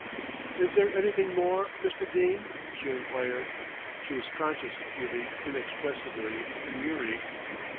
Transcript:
"Is there anything more, Mr. Dene?" she enquired. She was conscious of feeling inexpressibly weary.